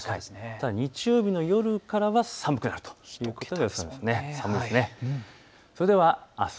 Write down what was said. ただ日曜日の夜からは寒くなるという予想です。